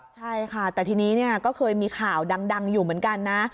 ใช่ค่ะแต่ทีนี้ก็เคยมีข่าวดังอยู่เหมือนกันนะ